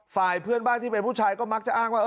ฝ่ายเพื่อนบ้านที่เป็นผู้ชายก็มักจะอ้างว่า